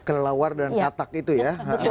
kelelawar dan katak itu ya